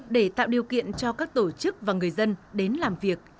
để tạo điều kiện cho các tổ chức và người dân đến làm việc